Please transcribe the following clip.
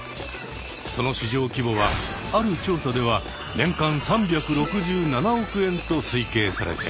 その市場規模はある調査では年間３６７億円と推計されています。